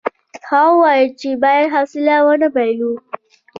هغه وویل چې باید حوصله ونه بایلو.